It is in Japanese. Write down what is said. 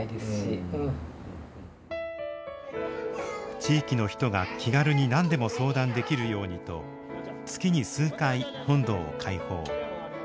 地域の人が気軽に何でも相談できるようにと月に数回本堂を開放。